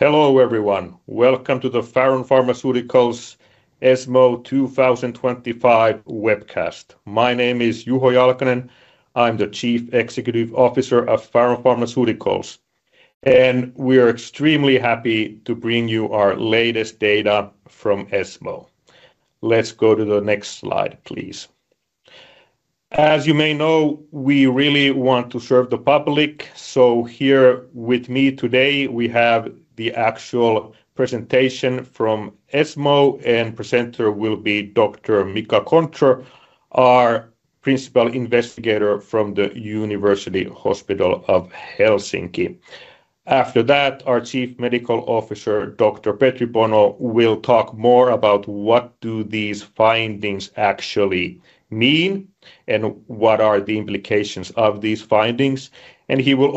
Hello everyone, welcome to the Faron Pharmaceuticals ESMO 2025 webcast. My name is Juho Jalkanen, I'm the Chief Executive Officer of Faron Pharmaceuticals. We are extremely happy to bring you our latest data from ESMO. Let's go to the next slide, please. As you may know, we really want to serve the public, so here with me today we have the actual presentation from ESMO, and the presenter will be Dr. Mika Kontrö, our Principal Investigator from the University Hospital of Helsinki. After that, our Chief Medical Officer, Dr. Petri Bono, will talk more about what do these findings actually mean and what are the implications of these findings. He will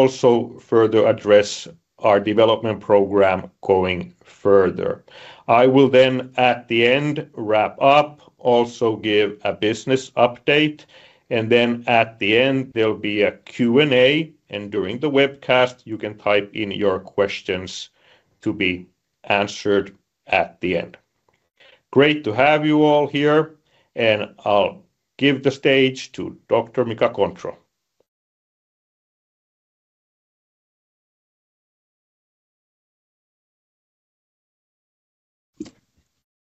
also further address our development program going further. I will then, at the end, wrap up, also give a business update, and then at the end, there will be a Q&A, and during the webcast, you can type in your questions to be answered at the end. Great to have you all here, and I'll give the stage to Dr. Mika Kontrö.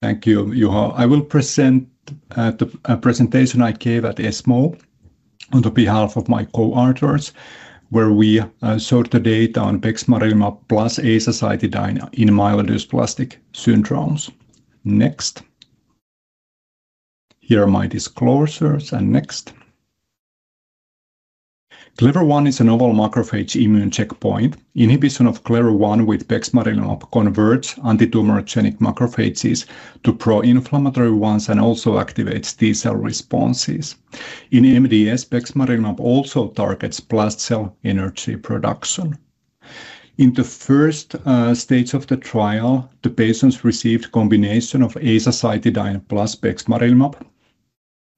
Thank you, Juho. I will present the presentation I gave at ESMO on behalf of my co-authors, where we showed the data on bexmarilimab plus azacitidine in myelodysplastic syndromes. Next. Here are my disclosures, and next. Clever-1 is a novel macrophage immune checkpoint. Inhibition of Clever-1 with bexmarilimab converts antitumorigenic macrophages to pro-inflammatory ones and also activates T-cell responses. In MDS, bexmarilimab also targets blast cell energy production. In the first stage of the trial, the patients received a combination of azacitidine plus bexmarilimab.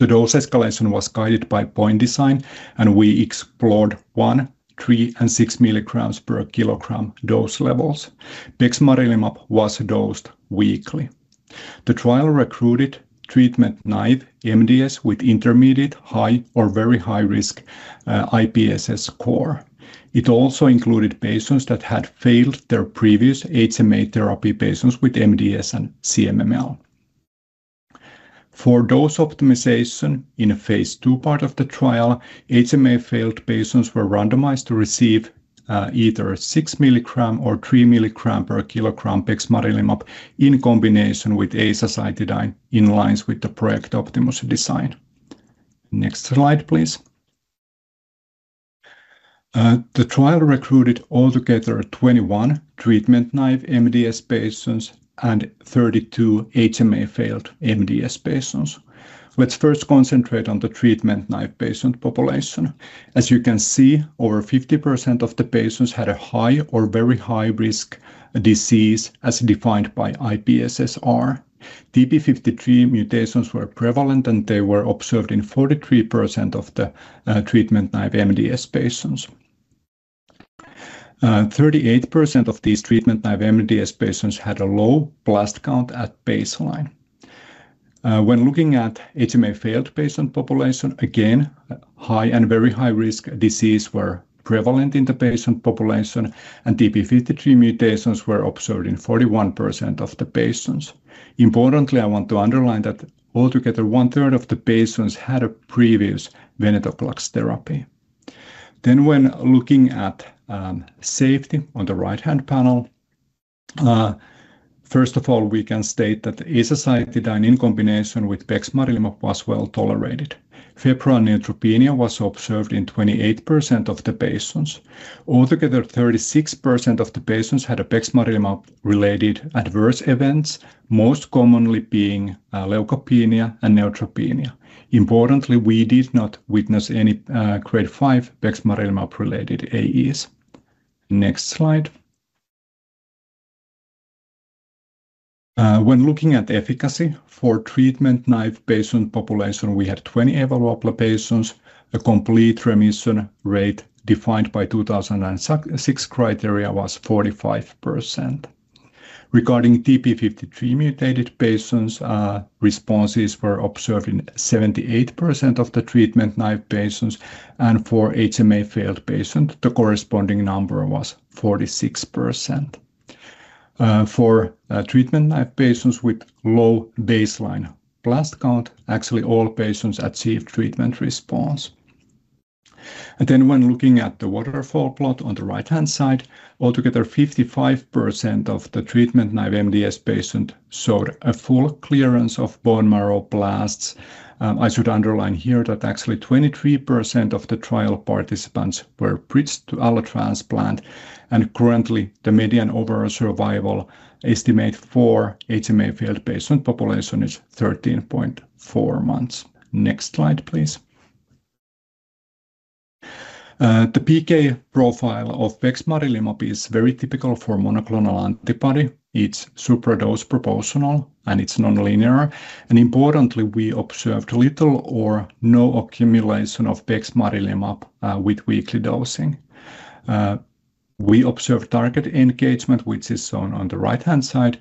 The dose escalation was guided by point design, and we explored 1, 3, and 6 milligrams per kilogram dose levels. Bexmarilimab was dosed weekly. The trial recruited treatment-naive MDS with intermediate, high, or very high risk IPSS score. It also included patients that had failed their previous HMA therapy, patients with MDS and CMML. For dose optimization in the phase 2 part of the trial, HMA-failed patients were randomized to receive either 6 milligrams or 3 milligrams per kilogram bexmarilimab in combination with azacitidine in line with the PREGOPTIMUS design. Next slide, please. The trial recruited altogether 21 treatment-naive MDS patients and 32 HMA-failed MDS patients. Let's first concentrate on the treatment-naive patient population. As you can see, over 50% of the patients had a high or very high risk of disease as defined by IPSS-R. TP53 mutations were prevalent, and they were observed in 43% of the treatment-naive MDS patients. 38% of these treatment-naive MDS patients had a low blast count at baseline. When looking at HMA-failed patient population, again, high and very high risk disease were prevalent in the patient population, and TP53 mutations were observed in 41% of the patients. Importantly, I want to underline that altogether one-third of the patients had a previous venetoclax therapy. When looking at safety on the right-hand panel, first of all, we can state that azacitidine in combination with bexmarilimab was well tolerated. Febrile neutropenia was observed in 28% of the patients. Altogether, 36% of the patients had bexmarilimab-related adverse events, most commonly being leukopenia and neutropenia. Importantly, we did not witness any grade 5 bexmarilimab-related AEs. Next slide. When looking at efficacy for treatment-naive patient population, we had 20 available patients. The complete remission rate defined by 2006 criteria was 45%. Regarding TP53-mutated patients, responses were observed in 78% of the treatment-naive patients, and for HMA-failed patients, the corresponding number was 46%. For treatment-naive patients with low baseline blast count, actually all patients achieved treatment response. When looking at the waterfall plot on the right-hand side, altogether 55% of the treatment-naive MDS patients showed a full clearance of bone marrow blasts. I should underline here that actually 23% of the trial participants were bridged to allogeneic transplantation, and currently, the median overall survival estimate for HMA-failed patient population is 13.4 months. Next slide, please. The PK profile of bexmarilimab is very typical for monoclonal antibody. It's super dose proportional, and it's nonlinear. Importantly, we observed little or no accumulation of bexmarilimab with weekly dosing. We observed target engagement, which is shown on the right-hand side,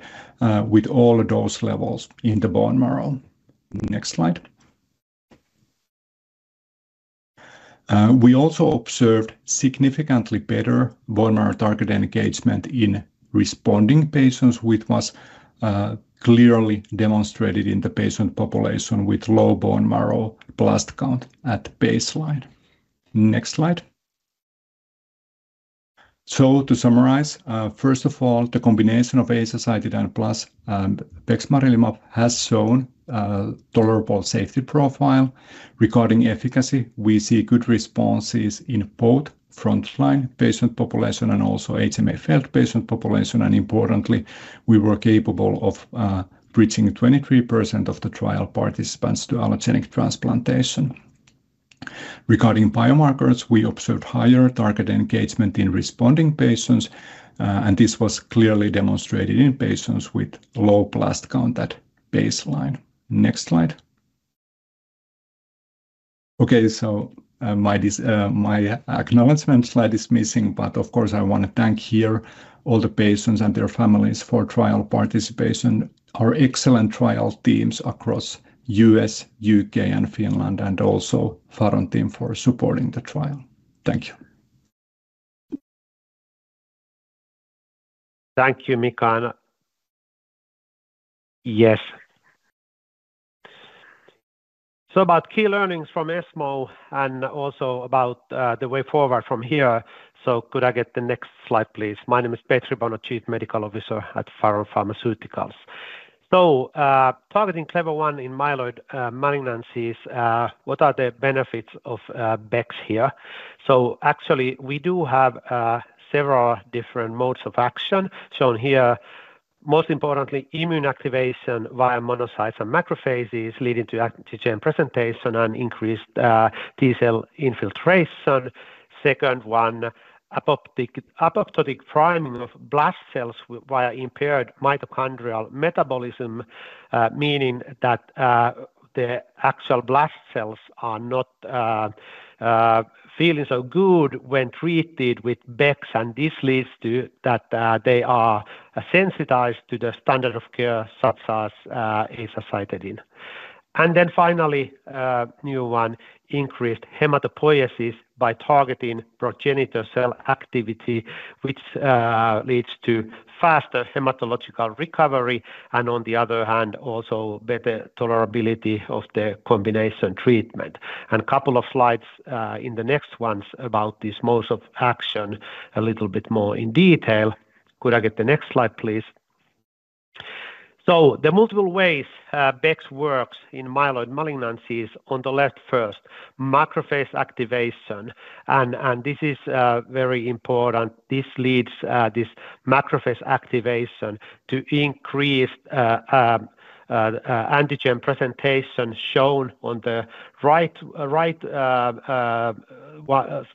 with all those levels in the bone marrow. Next slide. We also observed significantly better bone marrow target engagement in responding patients, which was clearly demonstrated in the patient population with low bone marrow blast count at baseline. Next slide. To summarize, first of all, the combination of azacitidine plus bexmarilimab has shown a tolerable safety profile. Regarding efficacy, we see good responses in both frontline patient population and also HMA-failed patient population. Importantly, we were capable of bridging 23% of the trial participants to allogeneic transplantation. Regarding biomarkers, we observed higher target engagement in responding patients, and this was clearly demonstrated in patients with low blast count at baseline. Next slide. Okay, my acknowledgement slide is missing, but of course, I want to thank here all the patients and their families for trial participation, our excellent trial teams across the U.S., UK, and Finland, and also the Faron team for supporting the trial. Thank you. Thank you, Mika. Yes. About key learnings from ESMO and also about the way forward from here, could I get the next slide, please? My name is Petri Bono, Chief Medical Officer at Faron Pharmaceuticals. Targeting Clever-1 in myeloid malignancies, what are the benefits of bexmarilimab here? Actually, we do have several different modes of action shown here. Most importantly, immune activation via monocytes and macrophages, leading to antigen presentation and increased T-cell infiltration. Second one, apoptotic priming of blast cells via impaired mitochondrial metabolism, meaning that the actual blast cells are not feeling so good when treated with Bex, and this leads to that they are sensitized to the standard of care such as azacitidine. Finally, a new one, increased hematopoiesis by targeting progenitor cell activity, which leads to faster hematological recovery, and on the other hand, also better tolerability of the combination treatment. A couple of slides in the next ones about these modes of action a little bit more in detail. Could I get the next slide, please? The multiple ways Bex works in myeloid malignancies, on the left first, macrophage activation, and this is very important. This leads to this macrophage activation to increased antigen presentation shown on the right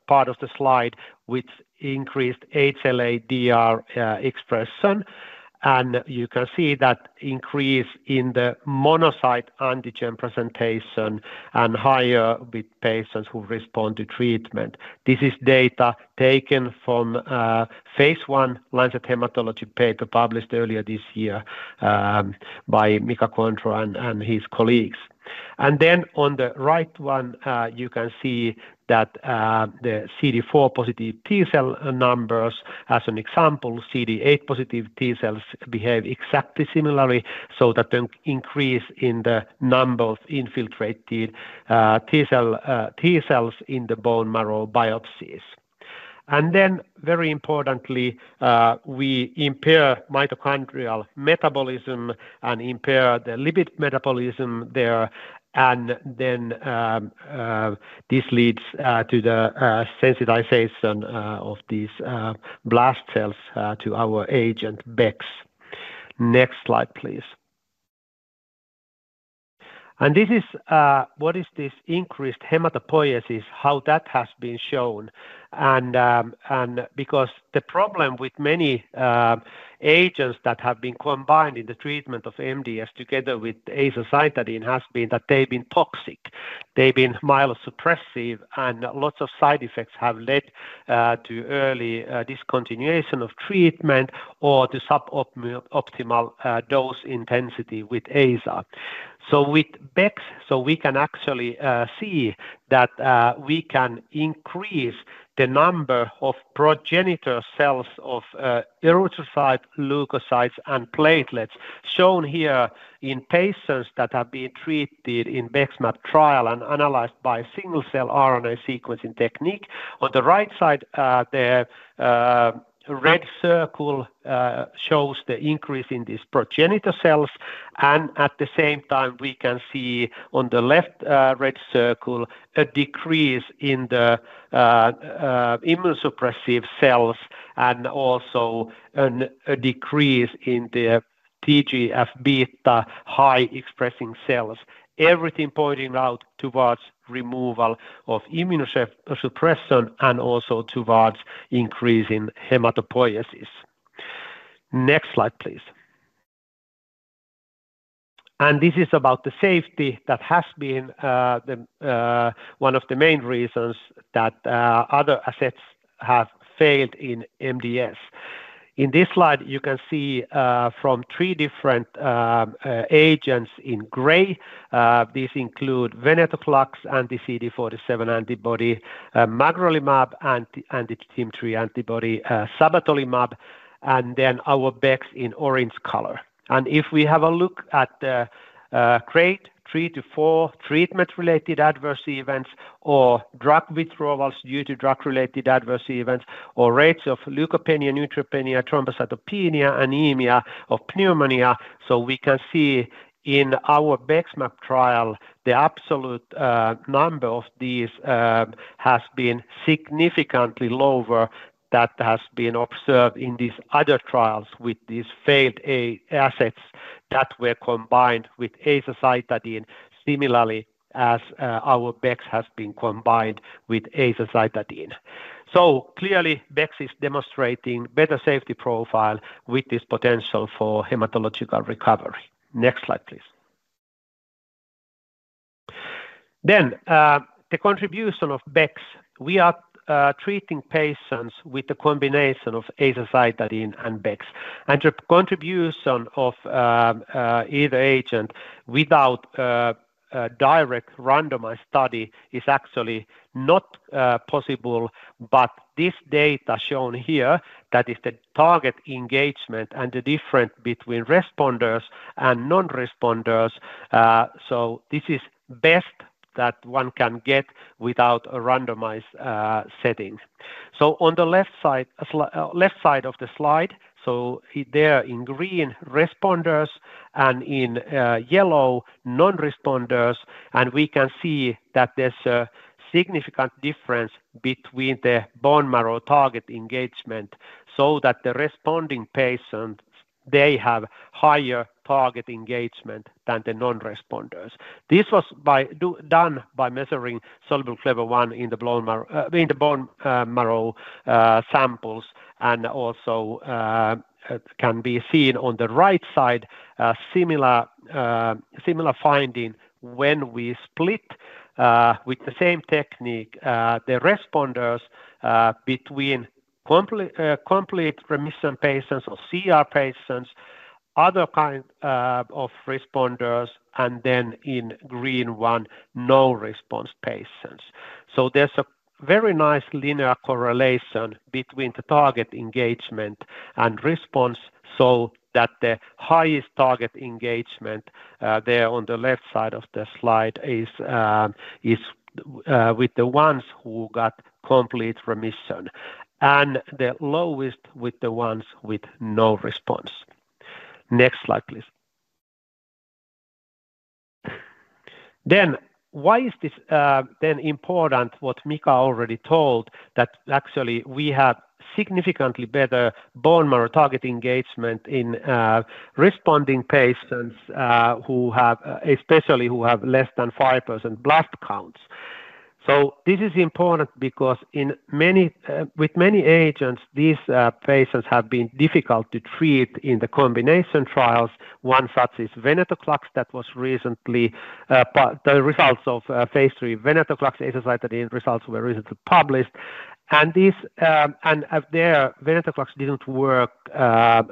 part of the slide with increased HLA-DR expression. You can see that increase in the monocyte antigen presentation and higher with patients who respond to treatment. This is data taken from phase one Lancet Hematology paper published earlier this year by Dr. Mika Kontrö and his colleagues. On the right one, you can see that the CD4 positive T-cell numbers, as an example, CD8 positive T-cells behave exactly similarly, so that the increase in the number of infiltrated T-cells in the bone marrow biopsies. Very importantly, we impair mitochondrial metabolism and impair the lipid metabolism there, and this leads to the sensitization of these blast cells to our agent Bex. Next slide, please. This is what is this increased hematopoiesis, how that has been shown. The problem with many agents that have been combined in the treatment of MDS together with azacitidine has been that they've been toxic, they've been myelosuppressive, and lots of side effects have led to early discontinuation of treatment or to suboptimal dose intensity with AZA. With Bex, we can actually see that we can increase the number of progenitor cells of erythrocyte, leukocytes, and platelets shown here in patients that have been treated in BEXMAB trial and analyzed by single-cell RNA sequencing technique. On the right side, the red circle shows the increase in these progenitor cells, and at the same time, we can see on the left red circle a decrease in the immunosuppressive cells and also a decrease in the TGF-beta high expressing cells. Everything pointing out towards removal of immunosuppression and also towards increasing hematopoiesis. Next slide, please. This is about the safety that has been one of the main reasons that other assets have failed in MDS. In this slide, you can see from three different agents in gray. These include venetoclax, anti-CD47 antibody magrolimab, anti-T3 antibody sabatolimab, and then our Bex in orange color. If we have a look at the grade 3 to 4 treatment-related adverse events or drug withdrawals due to drug-related adverse events or rates of leukopenia, neutropenia, thrombocytopenia, anemia, or pneumonia, we can see in our BEXMAB trial the absolute number of these has been significantly lower than what has been observed in these other trials with these failed assets that were combined with azacitidine similarly as our Bex has been combined with azacitidine. Clearly, Bex is demonstrating a better safety profile with this potential for hematological recovery. Next slide, please. The contribution of Bex. We are treating patients with a combination of azacitidine and Bex, and the contribution of either agent without a direct randomized study is actually not possible. This data shown here, that is the target engagement and the difference between responders and non-responders, this is best that one can get without a randomized setting. On the left side of the slide, in green responders and in yellow non-responders, we can see that there's a significant difference between the bone marrow target engagement so that the responding patients have higher target engagement than the non-responders. This was done by measuring soluble Clever-1 in the bone marrow samples, and also can be seen on the right side, similar finding when we split with the same technique the responders between complete remission patients or CR patients, other kind of responders, and then in green one, no-response patients. There's a very nice linear correlation between the target engagement and response so that the highest target engagement there on the left side of the slide is with the ones who got complete remission and the lowest with the ones with no response. Next slide, please. Why is this then important? What Mika already told, actually we have significantly better bone marrow target engagement in responding patients who have, especially who have less than 5% blast counts. This is important because with many agents, these patients have been difficult to treat in the combination trials. One such is venetoclax that was recently the results of phase 3 venetoclax-associated results were recently published. This, and there venetoclax didn't work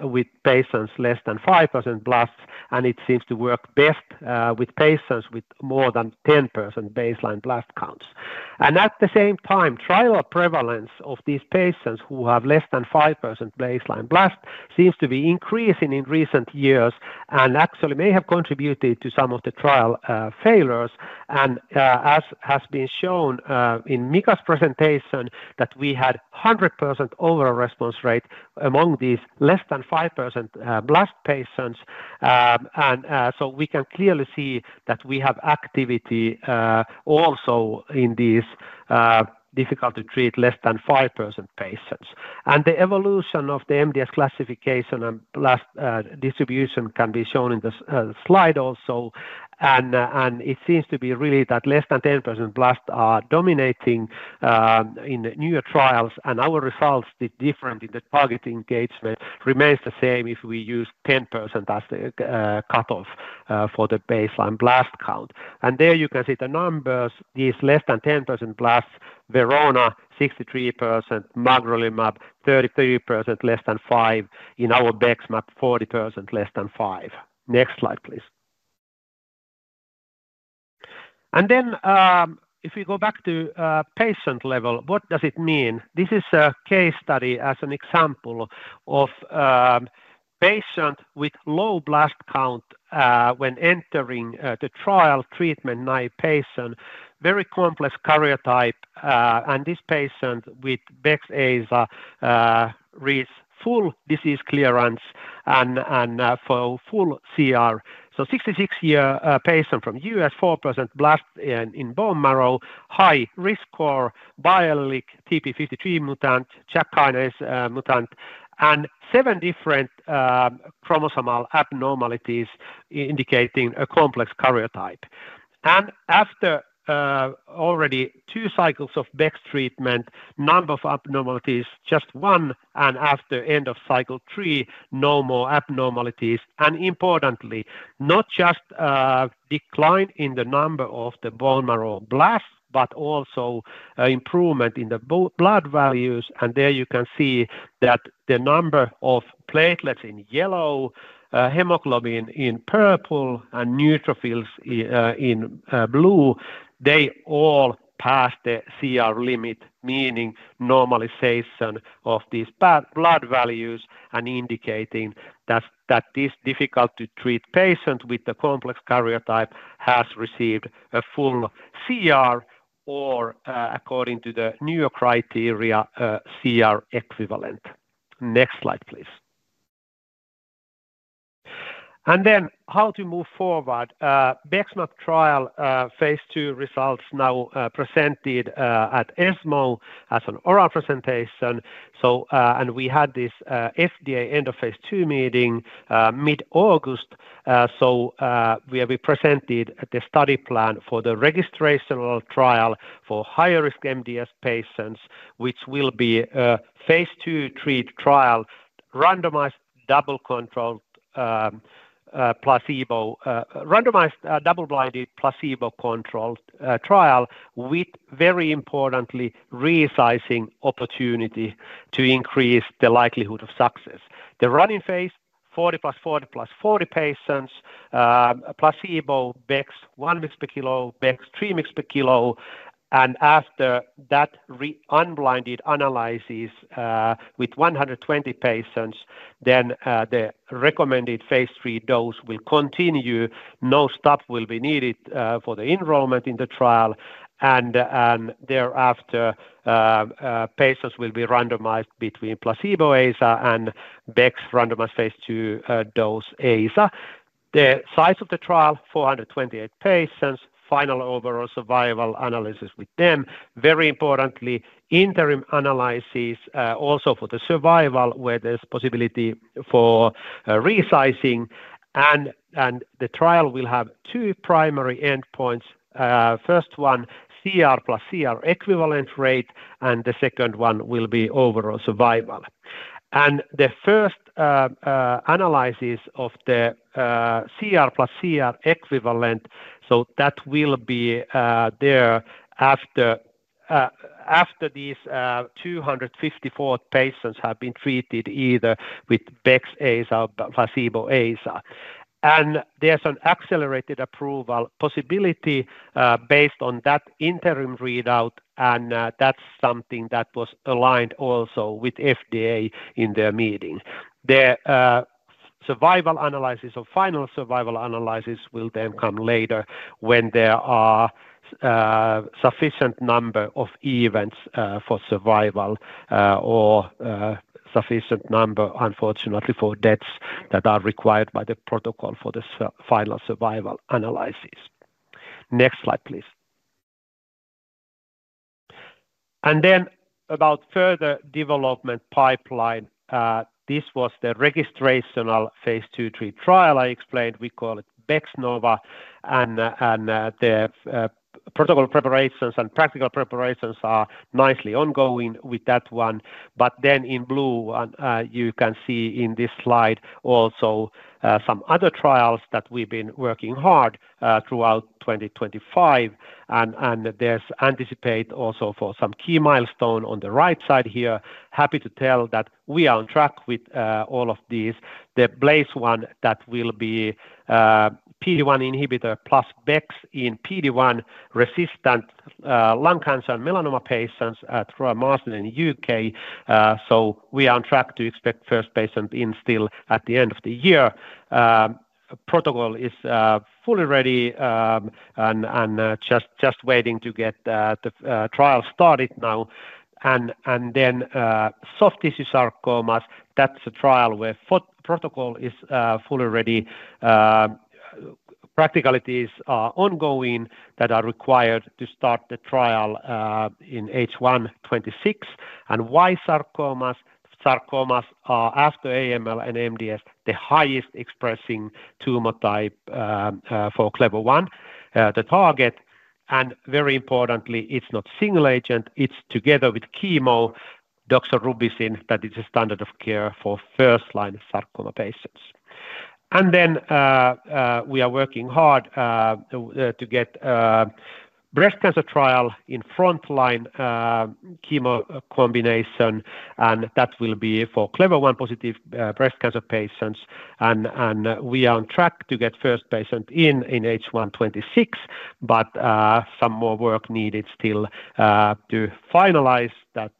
with patients less than 5% blasts, and it seems to work best with patients with more than 10% baseline blast counts. At the same time, trial prevalence of these patients who have less than 5% baseline blast seems to be increasing in recent years and actually may have contributed to some of the trial failures. As has been shown in Mika's presentation, we had 100% overall response rate among these less than 5% blast patients. We can clearly see that we have activity also in these difficult to treat less than 5% patients. The evolution of the MDS classification and blast distribution can be shown in this slide also. It seems to be really that less than 10% blasts are dominating in newer trials, and our results did different in the target engagement remains the same if we use 10% as the cutoff for the baseline blast count. There you can see the numbers: these less than 10% blasts, Verona 63%, magrolimab 33% less than 5, and in our BEXMAB 40% less than 5. Next slide, please. If we go back to patient level, what does it mean? This is a case study as an example of a patient with low blast count when entering the trial, treatment-naive patient, very complex karyotype. This patient with Bex AZA reaches full disease clearance and for full CR. So 66-year patient from the U.S., 4% blast in bone marrow, high risk score, biallelic TP53 mutant, check kinase mutant, and seven different chromosomal abnormalities indicating a complex karyotype. After already two cycles of Bex treatment, none of abnormalities, just one, and after end of cycle three, no more abnormalities. Importantly, not just a decline in the number of the bone marrow blasts, but also improvement in the blood values. There you can see that the number of platelets in yellow, hemoglobin in purple, and neutrophils in blue, they all pass the CR limit, meaning normalization of these blood values and indicating that this difficult to treat patient with the complex karyotype has received a full CR or, according to the new criteria, CR equivalent. Next slide, please. How to move forward. BEXMAB trial phase 2 results now presented at ESMO as an oral presentation. We had this FDA end of phase 2 meeting mid-August. Where we presented the study plan for the registration trial for higher-risk MDS patients, which will be a phase 2/3 trial, randomized, double-blind, placebo-controlled trial with, very importantly, resizing opportunity to increase the likelihood of success. The running phase, 40+ 40+ 40 patients, placebo, Bex 1 mg per kilo, Bex 3 mg per kilo. After that, unblinded analysis with 120 patients, then the recommended phase 3 dose will continue. No stop will be needed for the enrollment in the trial. Thereafter, patients will be randomized between placebo AZA and Bex randomized phase 2 dose AZA. The size of the trial, 428 patients, final overall survival analysis with them. Very importantly, interim analysis also for the survival where there's a possibility for resizing. The trial will have two primary endpoints. The first one, CR plus CR equivalent rate, and the second one will be overall survival. The first analysis of the CR plus CR equivalent, so that will be there after these 254 patients have been treated either with Bex AZA or placebo AZA. There's an accelerated approval possibility based on that interim readout, and that's something that was aligned also with FDA in their meeting. The survival analysis, or final survival analysis, will then come later when there are a sufficient number of events for survival or a sufficient number, unfortunately, for deaths that are required by the protocol for the final survival analysis. Next slide, please. About further development pipeline, this was the registrational phase 2/3 trial I explained. We call it BexNOVA, and the protocol preparations and practical preparations are nicely ongoing with that one. In blue, you can see in this slide also some other trials that we've been working hard throughout 2025. There's anticipated also for some key milestones on the right side here. Happy to tell that we are on track with all of these. The BLASE one, that will be PD-1 inhibitor plus Bex in PD-1-resistant lung cancer and melanoma patients through a master in the UK. We are on track to expect first patient in still at the end of the year. Protocol is fully ready and just waiting to get the trial started now. Soft tissue sarcomas, that's a trial where protocol is fully ready. Practicalities are ongoing that are required to start the trial in H1 2026. Sarcomas are, after AML and MDS, the highest expressing tumor type for Clever-1, the target. Very importantly, it's not single agent, it's together with chemo, doxorubicin, that is a standard of care for first-line sarcoma patients. We are working hard to get breast cancer trial in frontline chemo combination, and that will be for Clever-1 positive breast cancer patients. We are on track to get first patient in in H1 2026, but some more work needed still to finalize that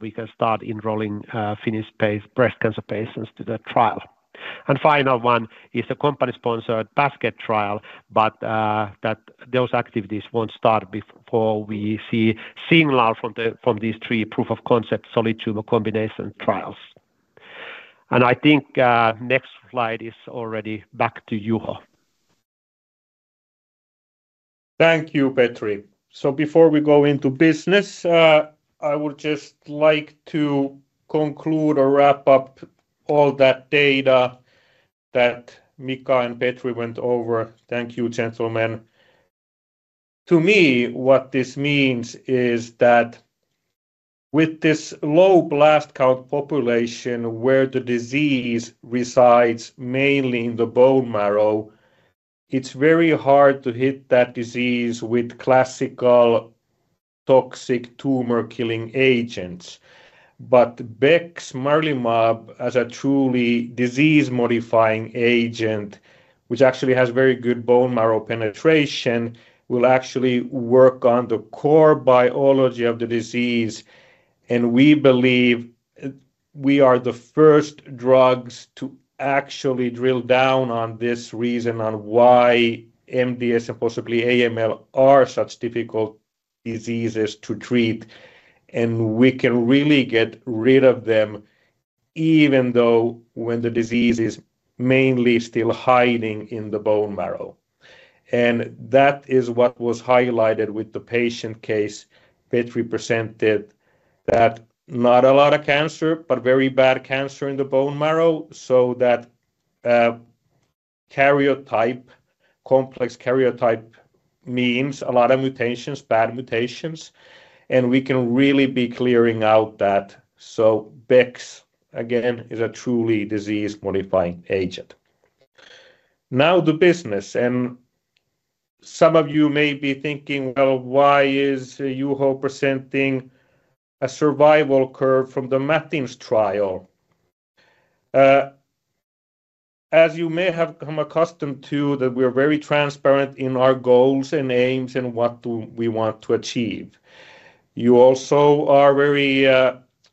we can start enrolling Finnish-based breast cancer patients to the trial. The final one is a company-sponsored basket trial, but those activities won't start before we see signal from these three proof of concept solid tumor combination trials. I think next slide is already back to Juho. Thank you, Petri. Before we go into business, I would just like to conclude or wrap up all that data that Mika and Petri went over. Thank you, gentlemen. To me, what this means is that with this low blast count population where the disease resides mainly in the bone marrow, it's very hard to hit that disease with classical toxic tumor killing agents. Bexmarilimab, as a truly disease-modifying agent, which actually has very good bone marrow penetration, will actually work on the core biology of the disease. We believe we are the first drugs to actually drill down on this reason on why MDS and possibly AML are such difficult diseases to treat. We can really get rid of them even though when the disease is mainly still hiding in the bone marrow. That is what was highlighted with the patient case Petri presented, that not a lot of cancer, but very bad cancer in the bone marrow, so that complex karyotype means a lot of mutations, bad mutations. We can really be clearing out that. Bex, again, is a truly disease-modifying agent. Now the business, some of you may be thinking, why is Juho presenting a survival curve from the Matthews trial? As you may have come accustomed to, we're very transparent in our goals and aims and what we want to achieve. You also are very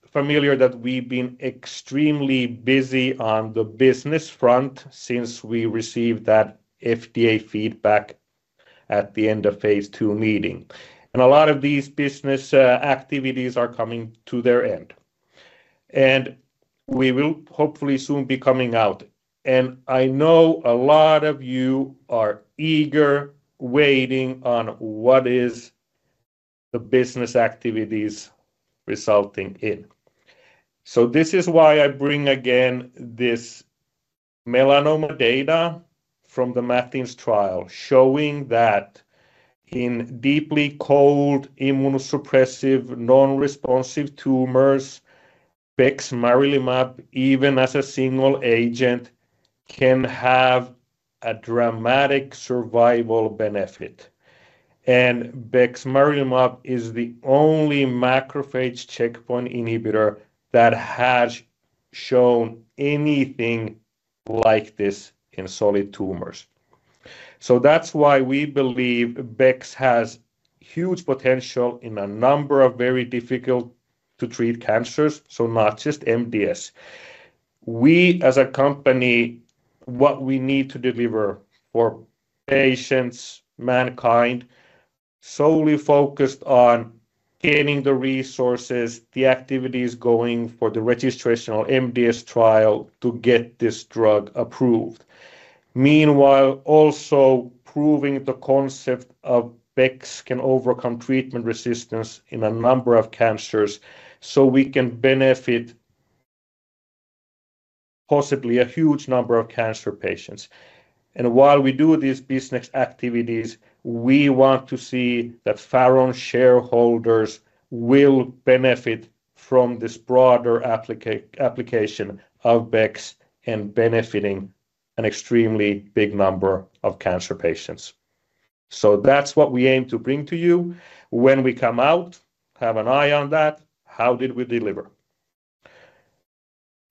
familiar that we've been extremely busy on the business front since we received that FDA feedback at the end of phase 2 meeting. A lot of these business activities are coming to their end. We will hopefully soon be coming out. I know a lot of you are eager waiting on what is the business activities resulting in. This is why I bring again this melanoma data from the Matthews trial, showing that in deeply cold immunosuppressive non-responsive tumors, Bexmarilimab, even as a single agent, can have a dramatic survival benefit. Bexmarilimab is the only macrophage checkpoint inhibitor that has shown anything like this in solid tumors. That's why we believe Bex has huge potential in a number of very difficult to treat cancers, not just MDS. We, as a company, what we need to deliver for patients, mankind, solely focused on getting the resources, the activities going for the registrational MDS trial to get this drug approved. Meanwhile, also proving the concept of Bex can overcome treatment resistance in a number of cancers, so we can benefit possibly a huge number of cancer patients. While we do these business activities, we want to see that Faron shareholders will benefit from this broader application of Bex and benefiting an extremely big number of cancer patients. That's what we aim to bring to you. When we come out, have an eye on that, how did we deliver?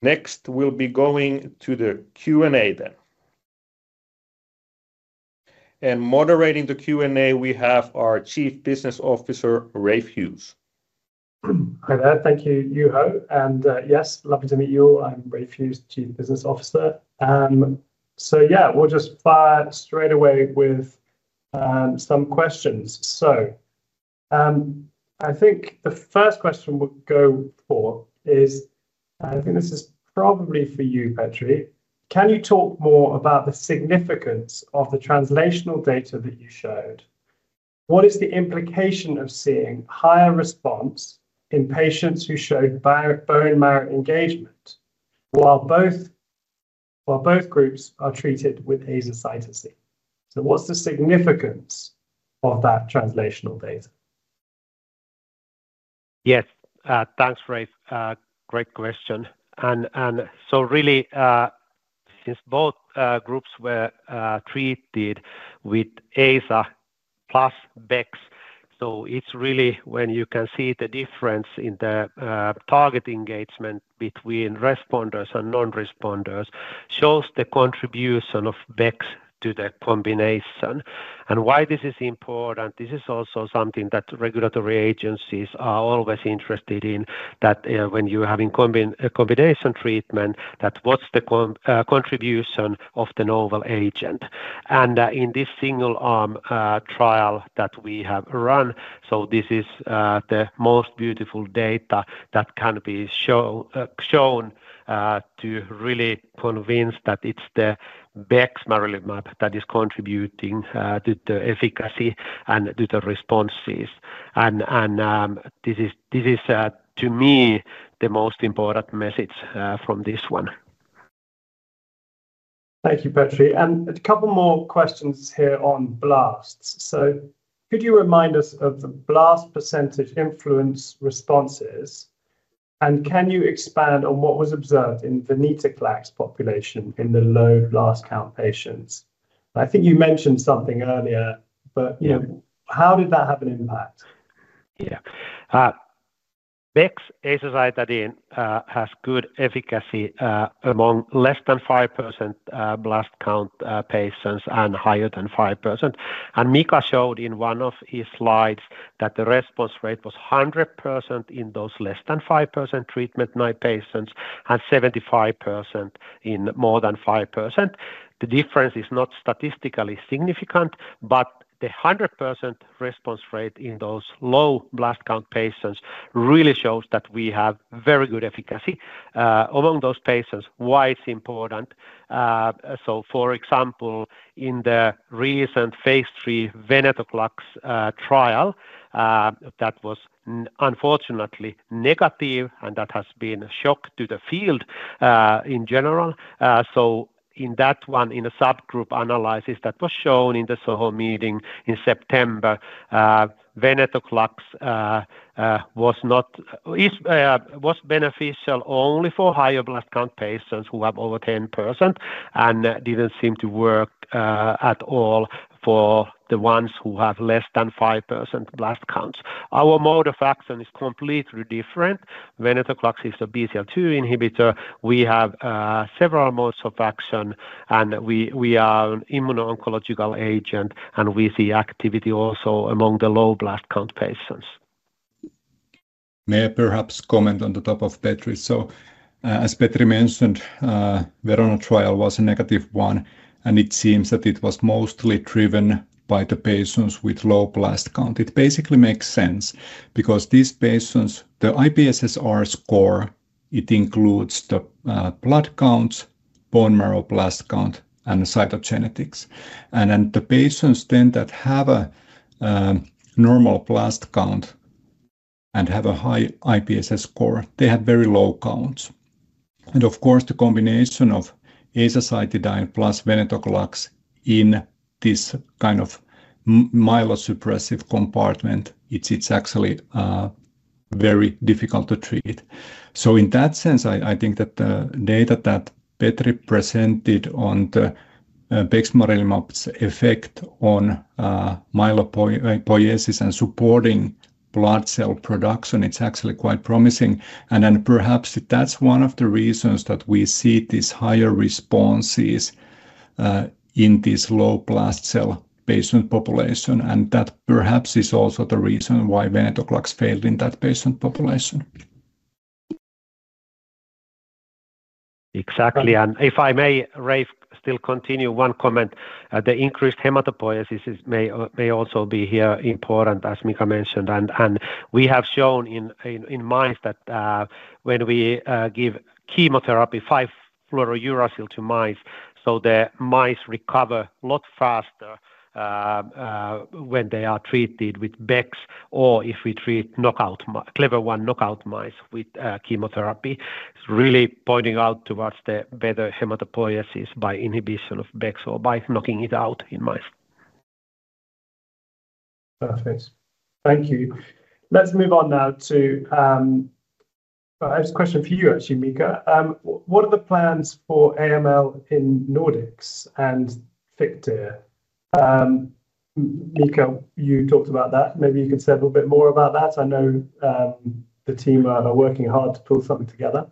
Next, we'll be going to the Q&A. Moderating the Q&A, we have our Chief Business Officer, Rafe Hughes. Thank you, Juho, and yes, lovely to meet you all. I'm Rafe Hughes, Chief Business Officer. We'll just fire straight away with some questions. I think the first question we'll go for is, and I think this is probably for you, Petri, can you talk more about the significance of the translational data that you showed? What is the implication of seeing higher response in patients who showed bone marrow engagement while both groups are treated with azacitidine? What's the significance of that translational data? Yes, thanks, Rafe. Great question. Really, since both groups were treated with azacitidine plus bexmarilimab, you can see the difference in the target engagement between responders and non-responders shows the contribution of bexmarilimab to the combination. This is important. This is also something that regulatory agencies are always interested in, that when you're having combination treatment, what's the contribution of the novel agent. In this single arm trial that we have run, this is the most beautiful data that can be shown to really convince that it's the bexmarilimab that is contributing to the efficacy and to the responses. This is, to me, the most important message from this one. Thank you, Petri. A couple more questions here on blasts. Could you remind us of the blast % influence responses, and can you expand on what was observed in venetoclax population in the low blast count patients? I think you mentioned something earlier, but you know how did that have an impact? Yeah. Bex azacitidine has good efficacy among less than 5% blast count patients and higher than 5%. Mika showed in one of his slides that the response rate was 100% in those less than 5% treatment naive patients and 75% in more than 5%. The difference is not statistically significant, but the 100% response rate in those low blast count patients really shows that we have very good efficacy among those patients, why it's important. For example, in the recent phase 3 venetoclax trial that was unfortunately negative, that has been a shock to the field in general. In that one, in a subgroup analysis that was shown in the SOHO meeting in September, venetoclax was beneficial only for higher blast count patients who have over 10% and didn't seem to work at all for the ones who have less than 5% blast counts. Our mode of action is completely different. Venetoclax is a BCL-2 inhibitor. We have several modes of action, and we are an immuno-oncological agent, and we see activity also among the low blast count patients. May I perhaps comment on the top of Petri? As Petri mentioned, the Verona trial was a negative one, and it seems that it was mostly driven by the patients with low blast count. It basically makes sense because these patients, the IPSS-R score, it includes the blood counts, bone marrow blast count, and cytogenetics. The patients that have a normal blast count and have a high IPSS score, they have very low counts. The combination of azacitidine plus venetoclax in this kind of myelosuppressive compartment, it's actually very difficult to treat. In that sense, I think that the data that Petri presented on bexmarilimab's effect on myelopoiesis and supporting blood cell production, it's actually quite promising. Perhaps that's one of the reasons that we see these higher responses in this low blast cell patient population. That perhaps is also the reason why venetoclax failed in that patient population. Exactly. If I may, Rafe, still continue one comment. The increased hematopoiesis may also be here important, as Mika mentioned. We have shown in mice that when we give chemotherapy, 5-fluorouracil to mice, the mice recover a lot faster when they are treated with Bex or if we treat Clever-1 knockout mice with chemotherapy. It's really pointing out towards the better hematopoiesis by inhibition of Bex or by knocking it out in mice. Perfect. Thank you. Let's move on now to, I have a question for you, actually, Mika. What are the plans for AML in Nordics and Figter? Mika, you talked about that. Maybe you could say a little bit more about that. I know the team are working hard to pull something together.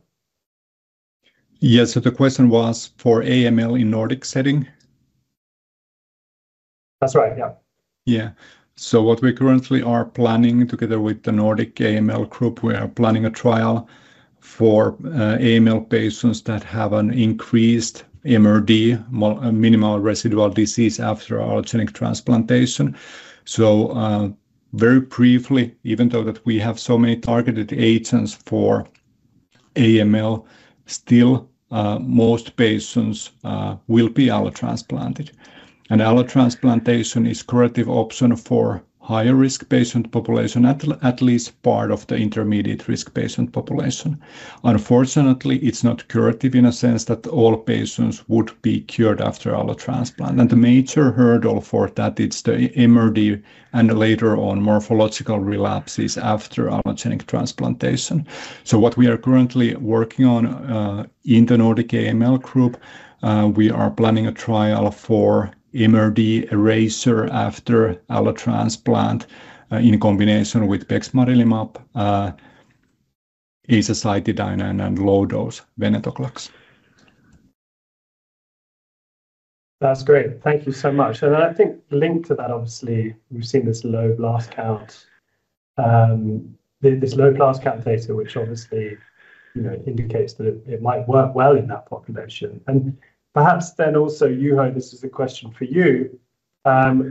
Yeah, so the question was for AML in Nordic setting? That's right, yeah. Yeah. So what we currently are planning together with the Nordic AML group, we are planning a trial for AML patients that have an increased MRD, minimal residual disease after allogeneic transplantation. Very briefly, even though we have so many targeted agents for AML, still most patients will be allotransplanted. Allogeneic transplantation is a curative option for higher risk patient population, at least part of the intermediate risk patient population. Unfortunately, it's not curative in a sense that all patients would be cured after allotransplant. The major hurdle for that is the MRD and later on morphological relapses after allogeneic transplantation. What we are currently working on in the Nordic AML group, we are planning a trial for MRD eraser after allotransplant in combination with bexmarilimab, azacitidine, and low dose venetoclax. That's great. Thank you so much. I think linked to that, obviously, we've seen this low blast count, this low blast count data, which obviously indicates that it might work well in that population. Perhaps then also, Juho, this is a question for you.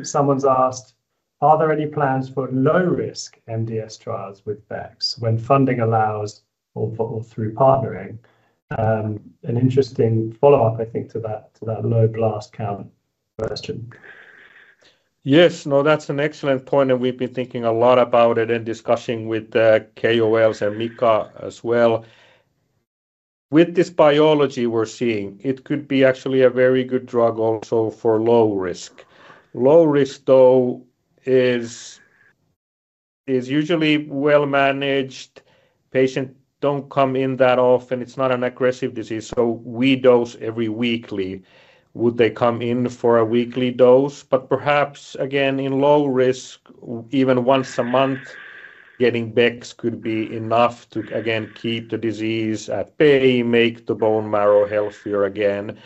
Someone's asked, are there any plans for low risk MDS trials with Bex when funding allows or through partnering? An interesting follow-up, I think, to that low blast count question. Yes, that's an excellent point. We've been thinking a lot about it and discussing with KOLs and Mika as well. With this biology we're seeing, it could be actually a very good drug also for low risk. Low risk, though, is usually well managed. Patients don't come in that often. It's not an aggressive disease. We dose every weekly. Would they come in for a weekly dose? Perhaps again in low risk, even once a month, getting Bex could be enough to keep the disease at bay and make the bone marrow healthier again.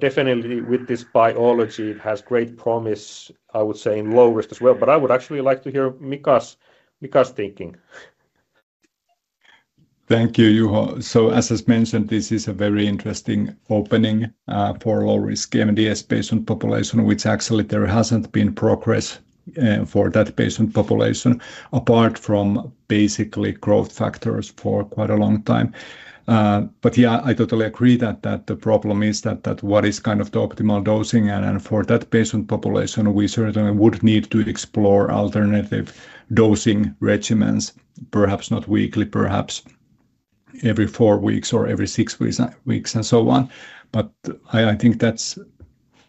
Definitely with this biology, it has great promise, I would say, in low risk as well. I would actually like to hear Mika's thinking. Thank you, Juho. As I mentioned, this is a very interesting opening for low-risk MDS patient population, which actually there hasn't been progress for that patient population, apart from basically growth factors for quite a long time. I totally agree that the problem is that what is kind of the optimal dosing? For that patient population, we certainly would need to explore alternative dosing regimens, perhaps not weekly, perhaps every four weeks or every six weeks and so on. I think that's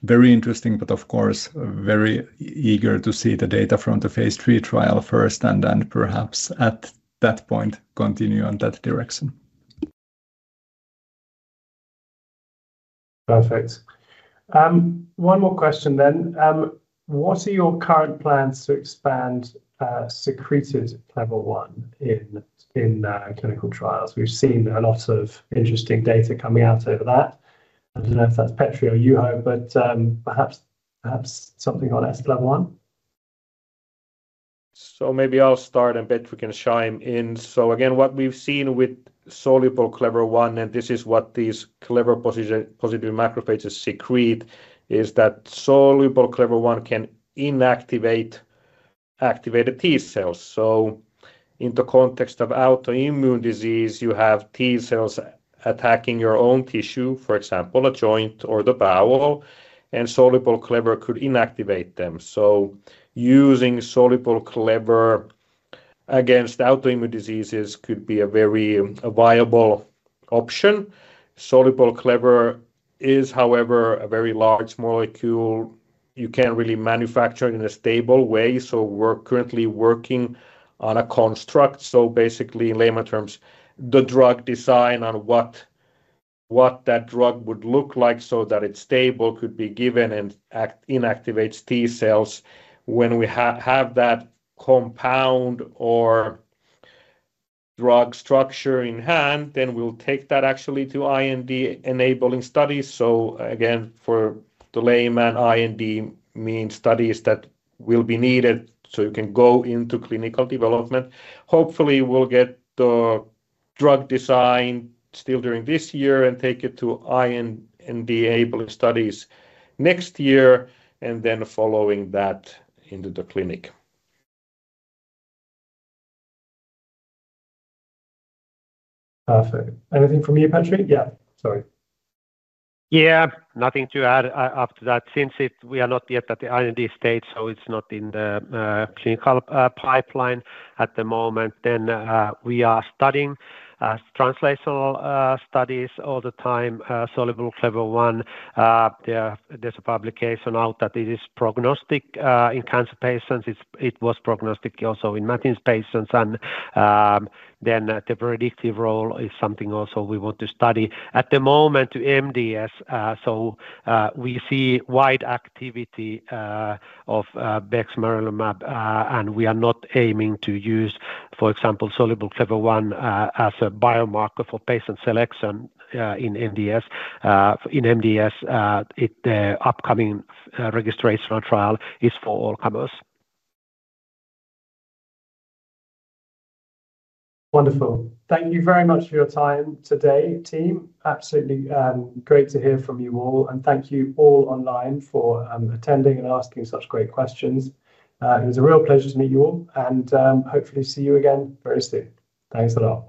very interesting, and of course, very eager to see the data from the phase 3 trial first, and then perhaps at that point continue on that direction. Perfect. One more question then. What are your current plans to expand secreted Clever-1 in clinical trials? We've seen a lot of interesting data coming out over that. I don't know if that's Petri or Juho, but perhaps something on S-Clever-1? Maybe I'll start and Petri can chime in. What we've seen with soluble Clever-1, and this is what these Clever-1 positive macrophages secrete, is that soluble Clever-1 can inactivate activated T cells. In the context of autoimmune disease, you have T cells attacking your own tissue, for example, a joint or the bowel, and soluble Clever-1 could inactivate them. Using soluble Clever-1 against autoimmune diseases could be a very viable option. Soluble Clever-1 is, however, a very large molecule. You can't really manufacture it in a stable way. We're currently working on a construct. Basically, in layman terms, the drug design on what that drug would look like so that it's stable, could be given, and inactivates T cells. When we have that compound or drug structure in hand, we'll take that actually to IND enabling studies. For the layman, IND means studies that will be needed so you can go into clinical development. Hopefully, we'll get the drug design still during this year and take it to IND enabling studies next year, and following that into the clinic. Perfect. Anything from you, Petri? Sorry. Yeah, nothing to add after that. Since we are not yet at the IND stage, so it's not in the clinical pipeline at the moment, we are studying translational studies all the time. Soluble Clever-1, there's a publication out that it is prognostic in cancer patients. It was prognostic also in Matthews patients. The predictive role is something also we want to study. At the moment, MDS, we see wide activity of bexmarilimab, and we are not aiming to use, for example, soluble Clever-1 as a biomarker for patient selection in MDS. The upcoming registration trial is for all comers. Wonderful. Thank you very much for your time today, team. Absolutely great to hear from you all. Thank you all online for attending and asking such great questions. It was a real pleasure to meet you all, and hopefully see you again very soon. Thanks a lot.